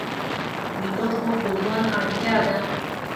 ویده خوب د ژوند اړتیا ده